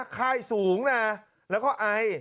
ไข้สูงนะแล้วก็ไอ